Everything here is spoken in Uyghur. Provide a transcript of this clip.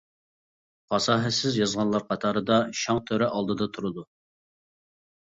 پاساھەتسىز يازغانلار قاتارىدا شاڭ تۆرە ئالدىدا تۇرىدۇ.